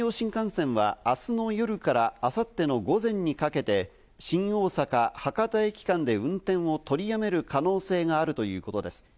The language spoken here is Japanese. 山陽新幹線はあすの夜からあさっての午前にかけて、新大阪−博多駅間で運転を取りやめる可能性があるということです。